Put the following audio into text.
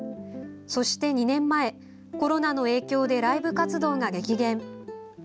そして２年前、コロナの影響でライブ活動が激減。